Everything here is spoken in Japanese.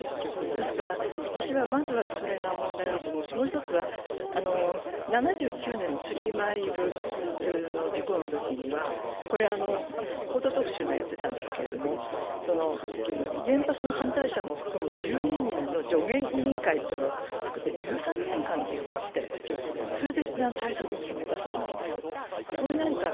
ですから、私はまずそれが問題だと思うし、もう一つは７９年のスリーマイルの事故のときには「報道特集」がやっていたんですけれども、原発の反対者も含む１２人の助言委員会というのを作って１３年間議論して、それで対策を決めたそうなんです。